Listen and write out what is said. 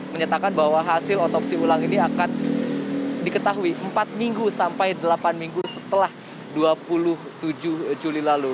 menyatakan bahwa hasil otopsi ulang ini akan diketahui empat minggu sampai delapan minggu setelah dua puluh tujuh juli lalu